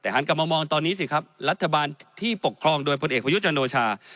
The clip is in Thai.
แต่หันกลับมามองตอนนี้สิครับรัฐบาลที่ปกครองโดยพลเอกประยุจันโอชา